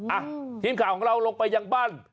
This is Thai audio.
อ่ะทีมข่าวของเราลงไปยังบ้าน